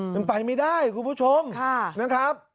มันไปไม่ได้คุณผู้ชมนะครับ